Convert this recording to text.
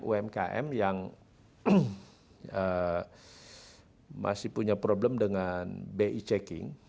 umkm yang masih punya problem dengan bi checking